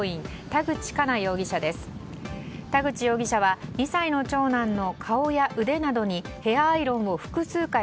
田口容疑者は２歳の長男の顔や腕などにヘアアイロンを複数回